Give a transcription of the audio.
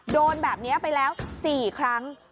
โดนแบบนี้ไปแล้ว๔ครั้ง